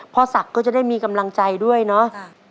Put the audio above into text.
พ่อศักดิ์ก็จะได้มีกำลังใจด้วยเนาะ